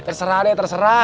terserah deh terserah